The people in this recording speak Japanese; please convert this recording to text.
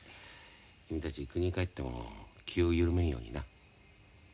君たちくにへ帰っても気を緩めんようにな。